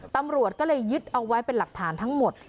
ตำรวจก็เลยยึดเอาไว้เป็นหลักฐานทั้งหมด